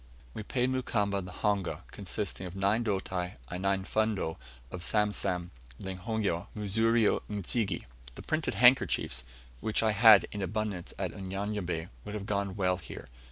We paid Mukamba the honga, consisting of nine doti and nine fundo of samsam, lunghio, muzurio n'zige. The printed handkerchiefs, which I had in abundance at Unyanyembe, would have gone well here.